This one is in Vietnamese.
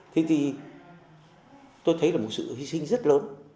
thế thì tôi thấy là một sự hy sinh rất lớn